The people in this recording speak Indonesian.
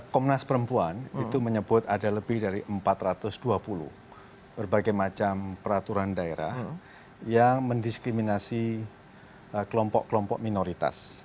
komnas perempuan itu menyebut ada lebih dari empat ratus dua puluh berbagai macam peraturan daerah yang mendiskriminasi kelompok kelompok minoritas